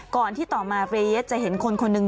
ก่อนที่ต่อมาเฟรสจะเห็นคนคนหนึ่ง